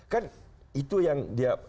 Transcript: kan itu yang dia